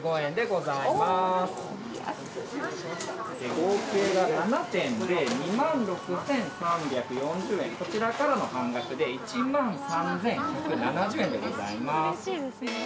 合計が７点で２万６３４０円、こちらからの半額で１万３１７０円でございます。